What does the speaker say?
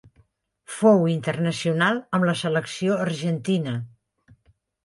Fou internacional amb la selecció argentina.